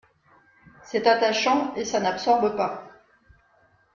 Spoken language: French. C’est attachant et ça n’absorbe pas.